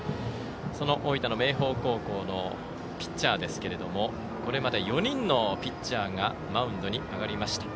その大分、明豊高校のピッチャーですけれどもこれまで４人のピッチャーがマウンドに上がりました。